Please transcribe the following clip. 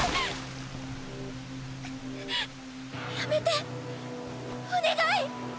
やめてお願い！